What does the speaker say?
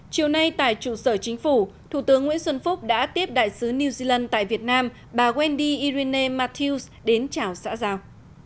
chiều nay tại trụ sở chính phủ thủ tướng nguyễn xuân phúc đã tiếp đại sứ new zealand tại việt nam bà wendy irina matthews đến chào xã giao